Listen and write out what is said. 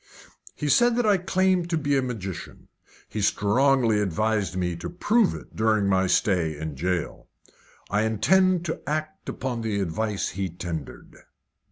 "He said that I claimed to be a magician. He strongly advised me to prove it during my stay in jail. I intend to act upon the advice he tendered."